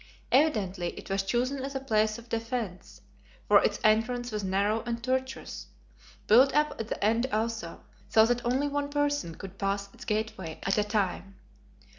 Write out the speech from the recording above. Evidently it was chosen as a place of defence, for its entrance was narrow and tortuous, built up at the end also, so that only one person could pass its gateway at a time.